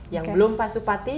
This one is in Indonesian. yang belum pasupati